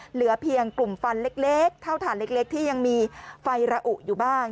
เหลือเพียงกลุ่มฟันเล็กเท่าฐานเล็กที่ยังมีไฟระอุอยู่บ้าง